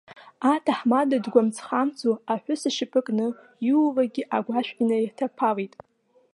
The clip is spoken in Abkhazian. Аҭаҳмада дгәамҵхамҵуа, аҳәыс ашьапы кны, ииулакгьы агәашә инҭаирԥалеит.